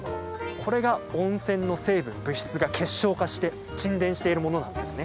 これがこの温泉の成分、物質が結晶化して沈殿しているものなんですね。